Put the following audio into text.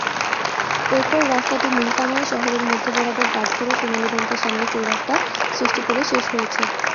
এরপর রাস্তাটি নীলফামারী শহরের মধ্য বরাবর ডাকঘর ও সোনালী ব্যাংকের সামনে চৌরাস্তা সৃষ্টি করে শেষ হয়েছে।